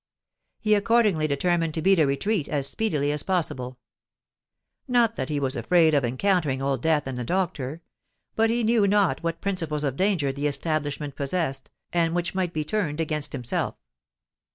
He accordingly determined to beat a retreat as speedily as possible. Not that he was afraid of encountering Old Death and the doctor; but he knew not what principles of danger the establishment possessed, and which might be turned against himself.